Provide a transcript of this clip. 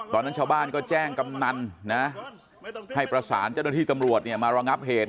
ตอนนั้นชาวบ้านก็แจ้งกำนันนะให้ประสานเจ้าหน้าที่ตำรวจมารองับเหตุ